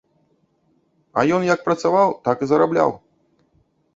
А ён як працаваў, так і зарабляў.